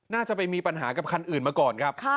น่าจะไปมีปัญหากับคันอื่นมาก่อนครับ